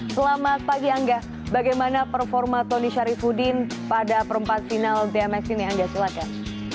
selamat pagi angga bagaimana performa tony sharifudin pada perempat final dmx ini angga silakan